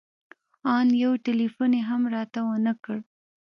ان يو ټېلفون يې هم راته ونه کړ.